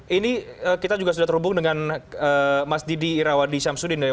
ini kita juga sudah terhubung dengan mas didi irawadi syamsuddin